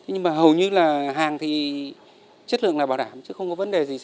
nhưng mà hầu như là hàng thì chất lượng là bảo đảm chứ không có vấn đề gì